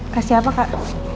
kasih apa kak